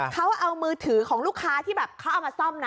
เขาเอามือถือของลูกค้าที่แบบเขาเอามาซ่อมนะ